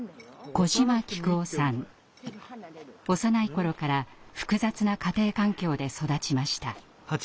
幼い頃から複雑な家庭環境で育ちました。